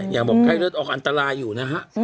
บอกไข้เลือดออกอันตรายอยู่นะฮะ